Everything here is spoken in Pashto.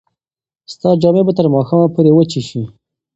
ستا جامې به تر ماښامه پورې وچې شي.